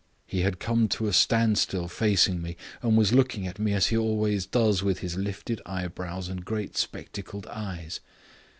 He had come to a standstill facing me, and was looking at me as he always does, with his lifted eyebrows and great spectacled eyes.